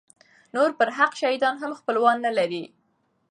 نور برحق شهیدان هم خپلوان نه لري.